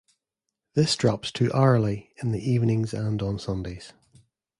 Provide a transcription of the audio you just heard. This drops to hourly in the evenings and on Sundays.